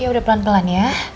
ya udah pelan pelan ya